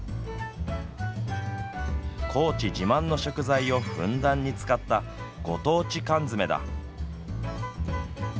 高知自慢の食材をふんだんに使ったご当地缶詰だ。